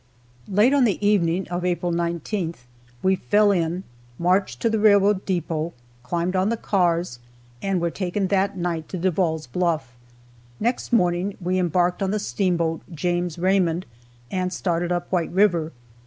Late on the evening of April 19th, we fell in, marched to the railroad depot, climbed on the cars, and were taken that night to Devall's Bluff. Next morning we embarked on the steamboat "James Raymond," and started up White river.